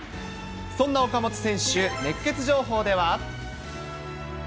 そんな岡本選手、熱ケツ情報では。